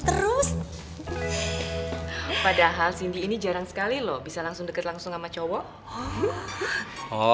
terus padahal cindy ini jarang sekali lu bisa langsung deket langsung sama cowok oh